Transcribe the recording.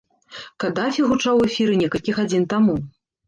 Кадафі гучаў у эфіры некалькі гадзін таму.